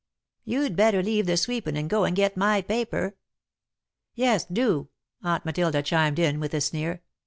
You'd better leave the sweepin' an' go and get my paper." "Yes, do," Aunt Matilda chimed in, with a sneer.